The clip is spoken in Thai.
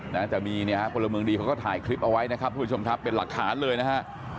แล้วจะมีพลเมืองดีเขาก็ถ่ายคลิปเอาไว้นะครับเป็นหลักฐานเลยนะฮะ